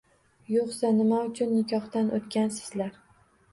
-Yo’qsa nima uchun nikohdan o’tgansizlar?